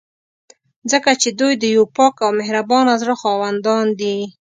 ځکه چې دوی د یو پاک او مهربانه زړه خاوندان دي.